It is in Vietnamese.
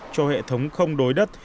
cho hệ thống không đối đất